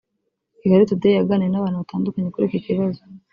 Kigali Today yaganiriye n’abantu batandukanye kuri iki kibazo